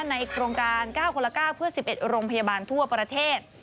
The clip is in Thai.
ในโครงการ๙คนละ๙เพื่อ๑๑โรงพยาบาลทั่วประเทศ